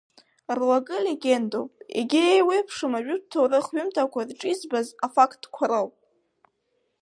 Руакы легендоуп, егьи еиуеиԥшым ажәытә ҭоурых ҩымҭақәа рҿы избаз афактқәа роуп.